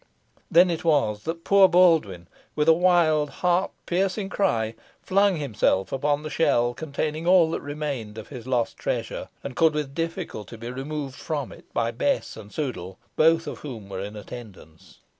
Then it was that poor Baldwyn, with a wild, heart piercing cry, flung himself upon the shell containing all that remained of his lost treasure, and could with difficulty be removed from it by Bess and Sudall, both of whom were in attendance.